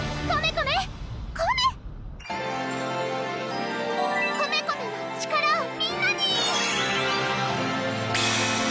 コメコメの力をみんなに！